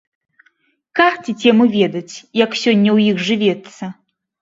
Карціць яму ведаць, як сёння ў іх жывецца.